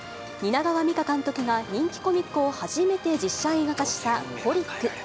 蜷川実花監督が人気コミックを初めて実写映画化した、ホリック。